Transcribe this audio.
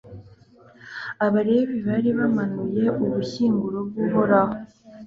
abalevi bari bamanuye ubushyinguro bw'uhoraho